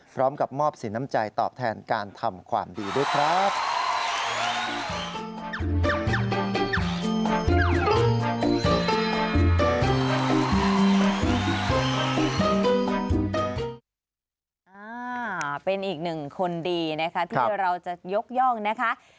เป็นอีกหนึ่งคนดีนะคะที่เราจะยกย่องนะคะ